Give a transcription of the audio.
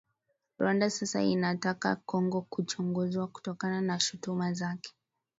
Rwanda sasa inataka Kongo kuchunguzwa kutokana na shutuma zake